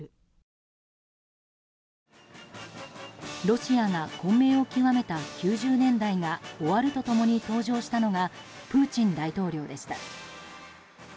ロシアが混迷を極めた９０年代が終わると共に登場したのがプーチン大統領でした。